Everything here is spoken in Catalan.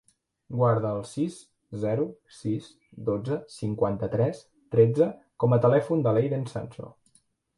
Guarda el sis, zero, sis, dotze, cinquanta-tres, tretze com a telèfon de l'Eiden Sanso.